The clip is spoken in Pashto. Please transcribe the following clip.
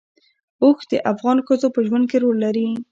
اوښ د افغان ښځو په ژوند کې رول لري.